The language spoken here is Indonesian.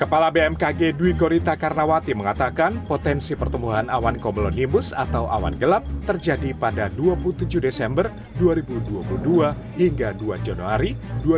kepala bmkg dwi gorita karnawati mengatakan potensi pertumbuhan awan komelonimbus atau awan gelap terjadi pada dua puluh tujuh desember dua ribu dua puluh dua hingga dua januari dua ribu dua puluh